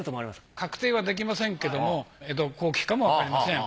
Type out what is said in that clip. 確定はできませんけども江戸後期かもわかりません。